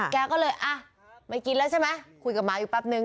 แกก็เลยอ่ะไม่กินแล้วใช่ไหมคุยกับหมาอยู่แป๊บนึง